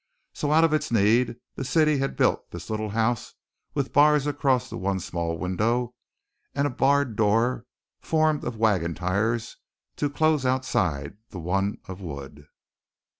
So, out of its need, the city had built this little house with bars across the one small window, and a barred door formed of wagon tires to close outside the one of wood.